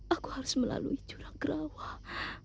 aku harus melalui jurang kerawah